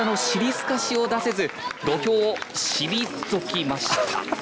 すかしを出せず土俵をしりぞきました。